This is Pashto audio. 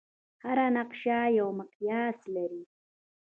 هره نقشه یو مقیاس لري.